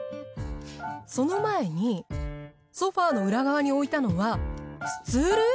その前にソファの裏側に置いたのはスツール？